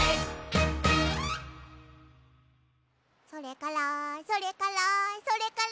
「それからそれからそれから」